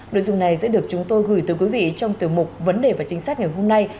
đối dùng này sẽ được chúng tôi gửi tới quý vị trong tiểu mục vấn đề và chính sát ngày hôm nay